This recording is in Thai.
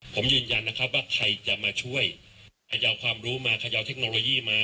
ผมยืนยันนะครับว่าใครจะมาช่วยขจะเอาความรู้มาเขย่าเทคโนโลยีมา